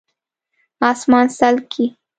🦇 اسمان څلکي